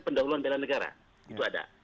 pendahuluan bela negara itu ada